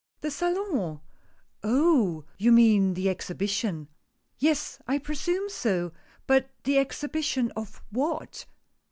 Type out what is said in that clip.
"The Salon? Oh! you mean the Exhibition." "Yes, I presume so — but the Exhibition of what